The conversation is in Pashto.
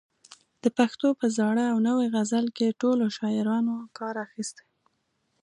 د پښتو په زاړه او نوي غزل کې ټولو شاعرانو کار اخیستی.